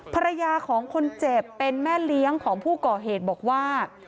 ภรรยาของคนเจ็บเป็นแม่เลี้ยงของผู้ก่อเหตุบอกว่า